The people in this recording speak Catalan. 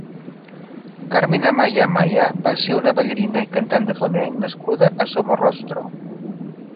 Carmen Amaya Amaya va ser una ballarina i cantant de flamenc nascuda a Somorrostro.